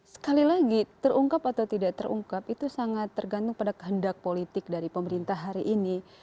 sekali lagi terungkap atau tidak terungkap itu sangat tergantung pada kehendak politik dari pemerintah hari ini